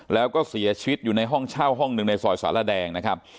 แล้วก็เสียชีวิตอยู่ในห้องเช่าห้องหนึ่งในซอยสารแดงนะครับ